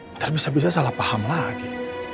ntar bisa bisa salah paham lagi